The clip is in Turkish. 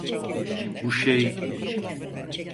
Bu şey…